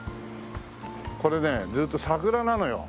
これねずっと桜なのよ。